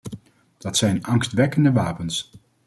Dat zijn angstwekkende wapens.